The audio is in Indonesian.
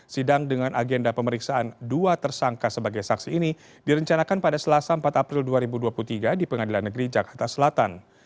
sidang dengan agenda pemeriksaan dua tersangka sebagai saksi ini direncanakan pada selasa empat april dua ribu dua puluh tiga di pengadilan negeri jakarta selatan